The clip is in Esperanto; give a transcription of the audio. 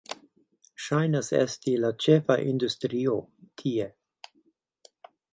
Ŝajnas esti la ĉefa industrio tie.